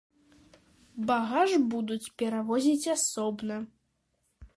Багаж будуць перавозіць асобна.